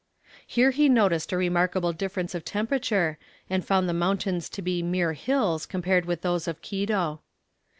Here he noticed a remarkable difference of temperature, and found the mountains to be mere hills compared with those of Quito.